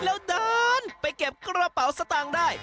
แล้วเดินไปเก็บกระเป๋าสตางค์ได้